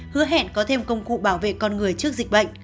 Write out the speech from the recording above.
hứa hẹn có thêm công cụ bảo vệ con người trước dịch bệnh